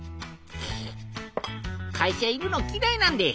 会社いるのきらいなんで。